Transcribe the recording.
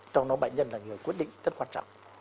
trong đó bệnh nhân là người quyết định rất quan trọng